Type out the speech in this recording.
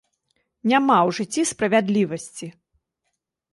Няма ў жыцці справядлівасці!